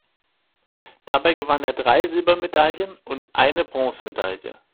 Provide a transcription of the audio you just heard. Dabei gewann er drei Silbermedaillen und eine Bronzemedaille.